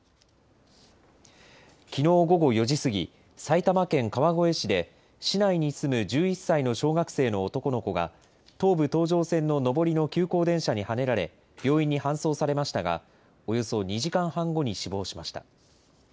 きのう午後４時過ぎ、埼玉県川越市で、市内に住む１１歳の小学生の男の子が東武東上線の上りの急行電車にはねられ、病院に搬送されましたが、およそ２時間半後に死亡しました。